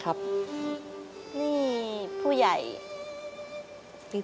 เขาก็ไม่มา